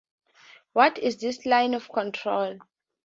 What is this 'line of control'?